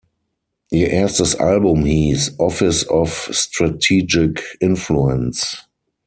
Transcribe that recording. Ihr erstes Album hieß "Office of Strategic Influence".